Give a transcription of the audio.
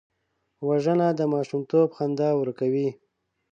وژنه د ماشومتوب خندا ورکوي